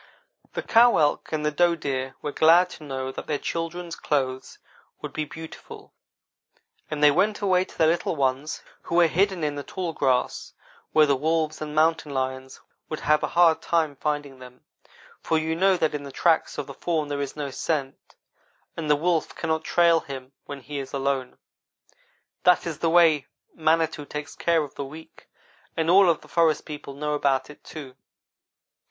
' "The cow elk and the doe deer were glad to know that their children's clothes would be beautiful, and they went away to their little ones who were hidden in the tall grass, where the wolves and mountain lions would have a hard time finding them; for you know that in the tracks of the fawn there is no scent, and the wolf cannot trail him when he is alone. That is the way Manitou takes care of the weak, and all of the forest people know about it, too.